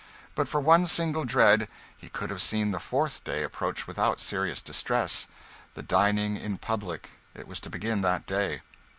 But for one single dread, he could have seen the fourth day approach without serious distress the dining in public; it was to begin that day.